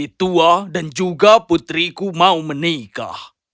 aku akan menjadi tua dan juga putriku mau menikah